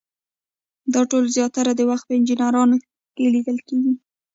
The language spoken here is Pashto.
دا ډول زیاتره وخت په انجینرانو کې لیدل کیږي.